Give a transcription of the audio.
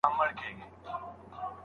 خمیره ډوډۍ مه خورئ.